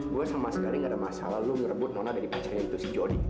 gue sama sekali gak ada masalah lo ngerebut nona dari pacarnya itu si jody